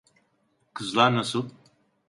Kızlar nasıl?